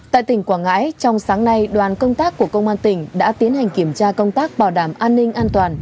tại tỉnh quảng ngãi trong sáng nay đoàn công tác của công an tỉnh đã tiến hành kiểm tra công tác bảo đảm an ninh an toàn